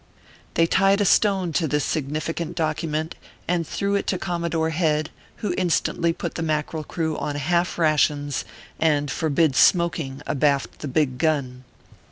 They tied a stone to this significant document and threw it to Commodore Head, who instantly put the Mackerel crew on half rations and forbid smoking abaft the big gun.